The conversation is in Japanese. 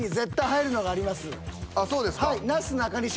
あっそうですか。